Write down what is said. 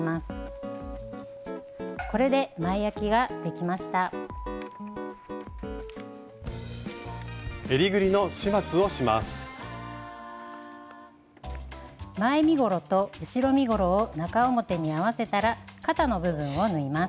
前身ごろと後ろ身ごろを中表に合わせたら肩の部分を縫います。